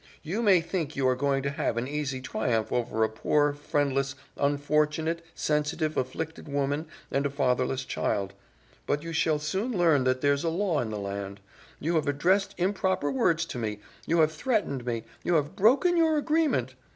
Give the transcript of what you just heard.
"You may think you are going to have an easy triumph over a poor, friendless, unfortunate, sensitive, afflicted woman and a fatherless child, but you shall soon learn that there's a law in the land. You have addressed improper words to me, you have threatened me, you have broken your agreement.